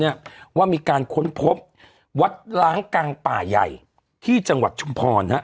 ว่ามีการค้นพบวัดล้างกลางป่าใหญ่ที่จังหวัดชุมพรฮะ